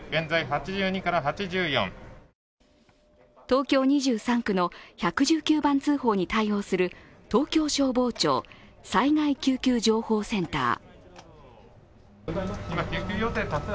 東京２３区の１１９番通報に対応する東京消防庁災害救急情報センター。